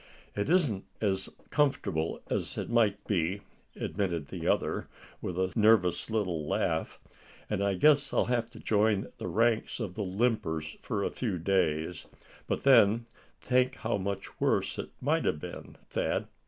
"It isn't as comfortable as it might be," admitted the other, with a nervous little laugh, "and I guess I'll have to join the ranks of the limpers for a few days; but then, think how much worse it might have been, Thad."